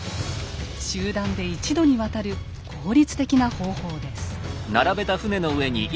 集団で一度に渡る効率的な方法です。